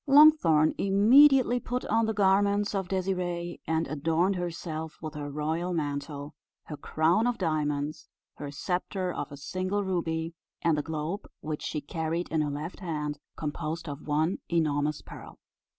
Longthorn immediately put on the garments of Désirée, and adorned herself with her royal mantle, her crown of diamonds, her sceptre of a single ruby, and the globe which she carried in her left hand, composed of one enormous pearl.